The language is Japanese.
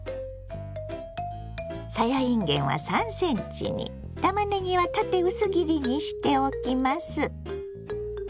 さやいんげんは３ｃｍにたまねぎは縦薄切りにしておきます。